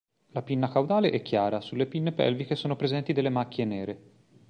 La pinna caudale è chiara, sulle pinne pelviche sono presenti delle macchie nere.